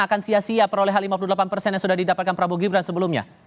ada yang sudah peroleh hal lima puluh delapan yang sudah didapatkan prabowo gibran sebelumnya